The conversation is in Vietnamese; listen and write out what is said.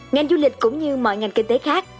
ngành du lịch cũng như mọi ngành kinh tế khác